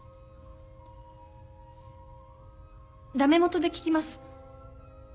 駄目もとで聞きます。